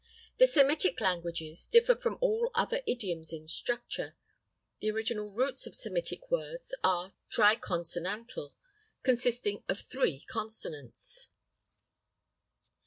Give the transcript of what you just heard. The Semitic languages differ from all other idioms in structure. The original roots of Semitic words are tri consonantal, consisting of three consonants.